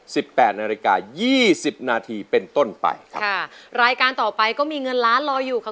แปดนาฬิกายี่สิบนาทีเป็นต้นไปครับค่ะรายการต่อไปก็มีเงินล้านรออยู่ค่ะ